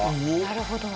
なるほど。